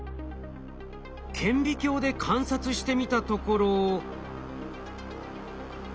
顕微鏡で観察してみたところ。